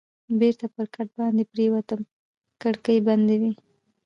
بېرته پر کټ باندې پرېوتم، کړکۍ بندې وې.